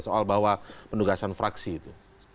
soal bahwa penugasan fraksi itu